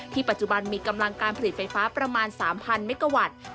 ปัจจุบันมีกำลังการผลิตไฟฟ้าประมาณ๓๐๐เมกาวัตต์